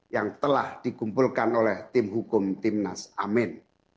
yang telah dikumpulkan oleh tim hukum timnas amin